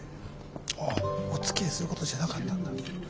ああおつきあいするほどじゃなかったんだ。